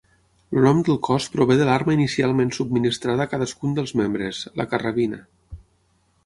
El nom del cos prové de l'arma inicialment subministrada a cadascun dels membres: la carrabina.